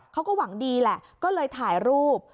เขาก็หวังดีแหละก็เลยถ่ายรูป